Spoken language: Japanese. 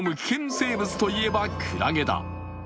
生物といえばクラゲだ。